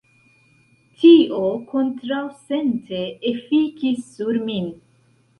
Tio kontraŭsente efikis sur min.